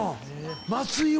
松井は？